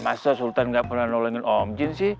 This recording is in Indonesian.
masa sultan gak pernah nolongin om jin sih